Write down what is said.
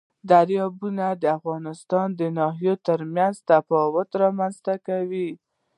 دریابونه د افغانستان د ناحیو ترمنځ تفاوتونه رامنځ ته کوي.